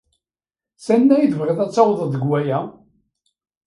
Sanda i tebɣiḍ ad tawḍeḍ deg waya?